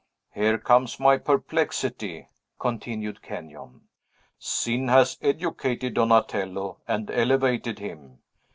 "Here comes my perplexity," continued Kenyon. "Sin has educated Donatello, and elevated him.